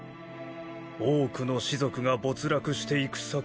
多くの士族が没落していく昨今